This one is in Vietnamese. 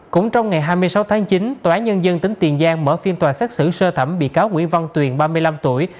cũng trong ngày hai mươi sáu tháng chín tòa án nhân dân tỉnh tiền giang mở phiên tòa xét xử sơ thẩm bị cáo nguyễn văn tuyền ba mươi năm tuổi